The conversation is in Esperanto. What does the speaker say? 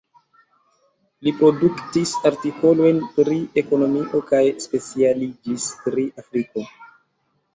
Li produktis artikolojn pri ekonomio kaj specialiĝis pri Afriko.